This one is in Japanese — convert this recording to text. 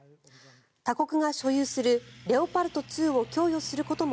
他国が所有するレオパルト２を供与することも